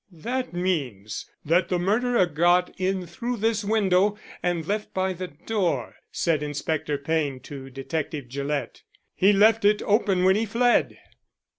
"That means that the murderer got in through this window and left by the door," said Inspector Payne to Detective Gillett. "He left it open when he fled."